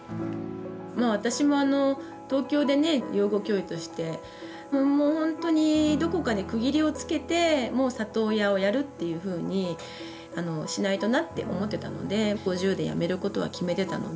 もう私も東京でね養護教諭としてもうほんとにどこかで区切りをつけてもう里親をやるっていうふうにしないとなって思ってたので５０で辞めることは決めてたので。